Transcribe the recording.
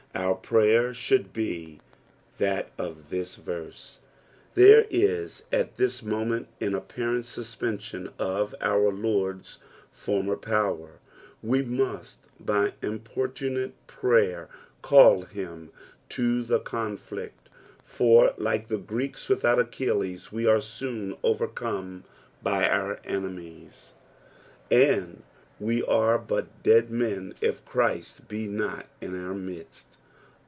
Our prayer should be that of this verse. There is at this moment an apparent suspension of our Lord's former power, we must by importunate prayer call him to the conflict, for like (he Greeks without Achillea we are soon overcome by our enemies, and we are but dead men if Jesus be not in our midst.